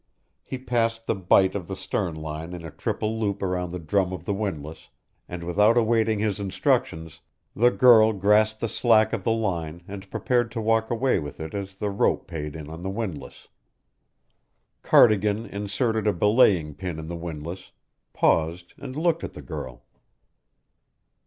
He passed the bight of the stern line in a triple loop around the drum of the windlass, and without awaiting his instructions, the girl grasped the slack of the line and prepared to walk away with it as the rope paid in on the windlass. Cardigan inserted a belaying pin in the windlass, paused and looked at the girl.